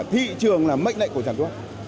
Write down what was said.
thị trường là mệnh lệnh của sản xuất